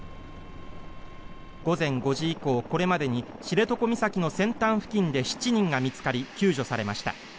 午前５時以降これまでに知床岬の先端付近で７人が見つかり救助されました。